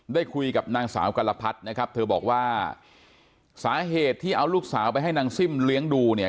ได้คุยกับนางสาวกรพัดนะครับเธอบอกว่าสาเหตุที่เอาลูกสาวไปให้นางซิ่มเลี้ยงดูเนี่ย